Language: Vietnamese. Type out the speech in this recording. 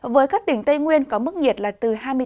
với các tỉnh tây nguyên có mức nhiệt là từ